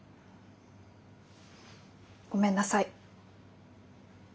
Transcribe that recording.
ごめんなさい。